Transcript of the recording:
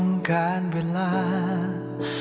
สวัสดีครับ